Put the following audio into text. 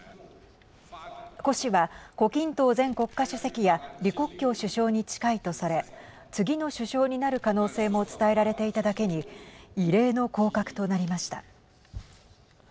胡氏は、胡錦涛前国家主席や李克強首相に近いとされ次の首相になる可能性も伝えられていただけに異例の降格となりました。